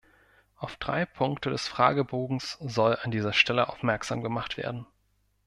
Auf drei Punkte des Fragebogens soll an dieser Stelle aufmerksam gemacht werden.